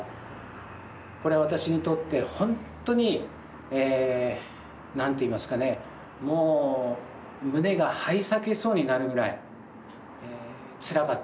これは私にとってほんとにえ何といいますかねもう胸が張り裂けそうになるぐらいつらかったことであります。